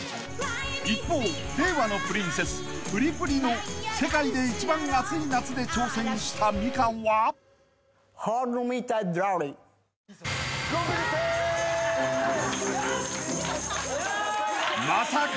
［一方令和のプリンセスプリプリの『世界でいちばん熱い夏』で挑戦したみかんは］よし！